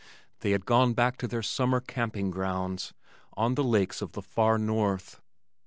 They had gone back to their summer camping grounds on the lakes of the far north.